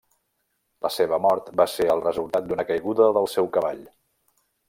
La seva mort va ser el resultat d'una caiguda del seu cavall.